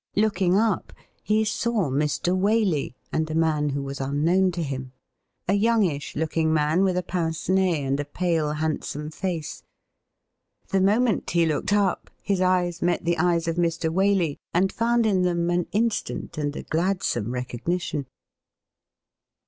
Looking up, he saw Mr. Waley and a man who was unknown to him — a youngish looking man, with a pince nez and a pale, handsome face. The moment he looked up, his eyes met the eyes of Mr. Waley, and fomid in them an instant and a gladsome recognition.